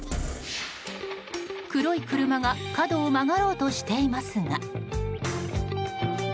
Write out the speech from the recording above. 黒い車が角を曲がろうとしていますが。